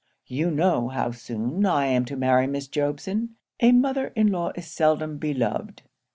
'"You know how soon I am to marry Miss Jobson. A mother in law is seldom beloved.